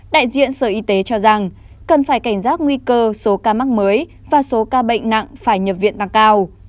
đại diện sở y tế cho rằng cần phải cảnh giác nguy cơ số ca mắc mới và số ca bệnh nặng phải nhập viện tăng cao